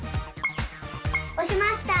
おしました！